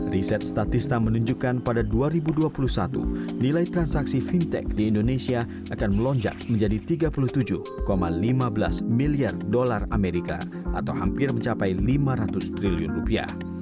riset statista menunjukkan pada dua ribu dua puluh satu nilai transaksi fintech di indonesia akan melonjak menjadi tiga puluh tujuh lima belas miliar dolar amerika atau hampir mencapai lima ratus triliun rupiah